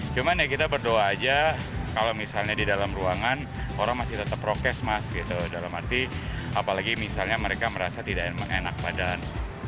cuma kita berdoa saja kalau misalnya di dalam ruangan orang masih tetap rokes apalagi mereka merasa tidak enak badan